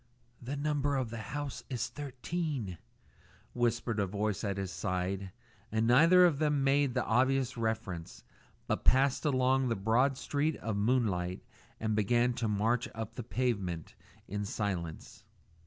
"The number of the house is thirteen," whispered a voice at his side; and neither of them made the obvious reference, but passed across the broad sheet of moonlight and began to march up the pavement in silence.